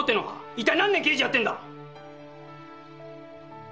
一体何年刑事やってんだ！